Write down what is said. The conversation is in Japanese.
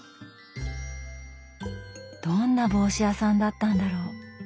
どんな帽子屋さんだったんだろう。